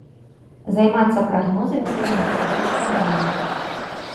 Займацца прагнозамі становіцца ўсё складаней.